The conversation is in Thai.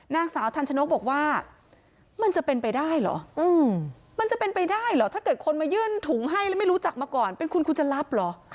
นางสาวทันชนกบอกว่ามันจะเป็นไปได้เหรอมันจะเป็นไปได้เหรอถ้าเกิดคนมายื่นถุงให้แล้วไม่รู้จักมาก่อนเป็นคุณคุณจะรับเหรอ